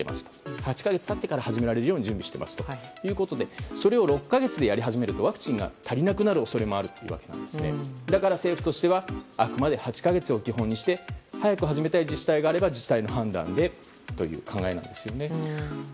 ８か月経ってから始められるように準備していますということでそれを６か月でやり始めるとワクチンが足りなくなる恐れもあるというわけで政府としてはあくまでも８か月を目安にして早く始めたい自治体があれば自治体の判断でという考えなんですよね。